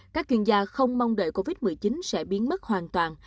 các chuyên gia không mong đợi covid một mươi chín sẽ biến mất hoàn toàn